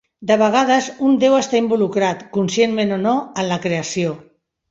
De vegades, un déu està involucrat, conscientment o no, en la creació.